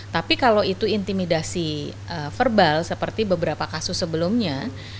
tapi kalau itu intimidasi verbal seperti beberapa kasus sebelumnya